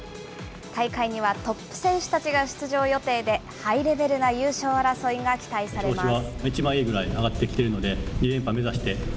大会にはトップ選手たちが出場予定で、ハイレベルな優勝争いが期待されます。